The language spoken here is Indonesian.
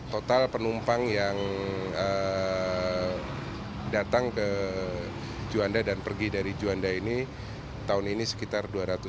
total penumpang yang datang ke juanda dan pergi dari juanda ini tahun ini sekitar dua ratus dua puluh